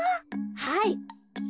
はい。